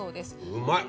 うまい！